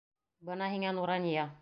Бына һиңә Нурания!